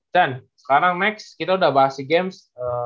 dan sekarang next kita udah bahas si games